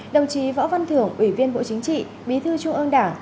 đồng chí võ văn thưởng ủy viên bộ chính trị bí thư trung ương đảng